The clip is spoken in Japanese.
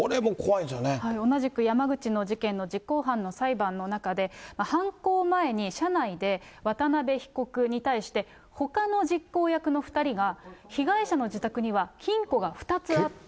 同じく山口の事件の実行犯の裁判の中で、犯行前に車内で渡邉被告に対して、ほかの実行役の２人が、被害者の自宅には金庫が２つあって。